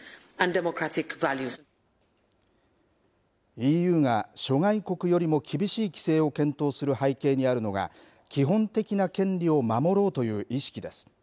ＥＵが諸外国よりも厳しい規制を検討する背景にあるのが基本的な権利を守ろうという意識です。